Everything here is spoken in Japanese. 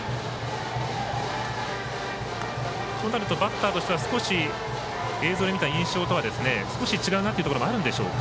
そうなるとバッターとしては映像で見た印象とは少し違うなというところもあるんでしょうか。